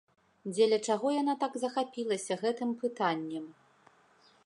Дзеля чаго яна так захапілася гэтым пытаннем?